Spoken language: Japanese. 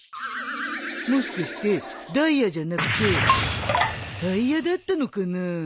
もしかしてダイヤじゃなくてタイヤだったのかな？